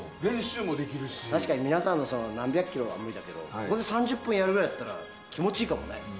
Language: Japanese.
確かに皆さんの何百キロは無理だけどここで３０分ぐらいやるぐらいなら気持ちいいかもね。